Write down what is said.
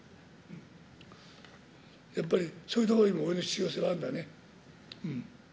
やっぱり、そういうところにも俺の必要性はあんだね。